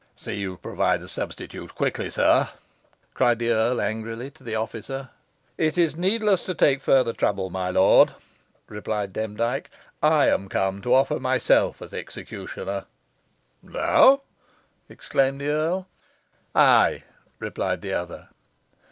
"See you provide a substitute quickly, sir," cried the earl, angrily, to the officer. "It is needless to take further trouble, my lord," replied Demdike "I am come to offer myself as executioner." "Thou!" exclaimed the earl. "Ay," replied the other.